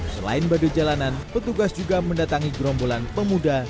selain badut jalanan petugas juga mendatangi gerombolan pemuda